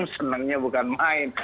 senangnya bukan main